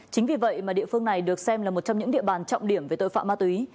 chính vì vậy mà địa phương này được xem là một trong những địa bàn trọng điểm về tội phạm ma túy